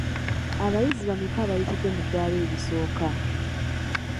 Abayizi bameka abaayitidde mu ddaala erisooka?